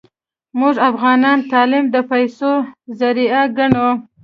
موږ افغانان تعلیم د پیسو ذریعه ګڼو